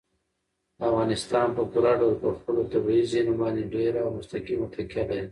افغانستان په پوره ډول په خپلو طبیعي زیرمو باندې ډېره او مستقیمه تکیه لري.